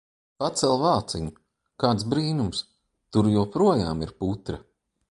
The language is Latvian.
Pacel vāciņu! Kāds brīnums - tur joprojām ir putra!